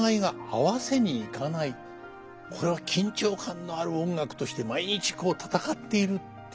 これは緊張感のある音楽として毎日戦っているっていうね